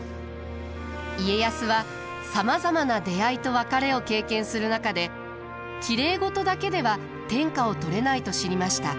家康はさまざまな出会いと別れを経験する中できれい事だけでは天下を取れないと知りました。